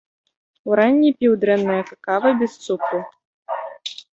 Уранні піў дрэннае какава без цукру.